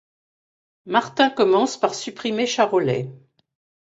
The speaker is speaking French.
Martin commence par supprimer Charolais.